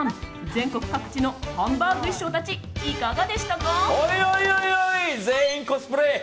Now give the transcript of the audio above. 全国各地のハンバーグ師匠たちいかがでしたか？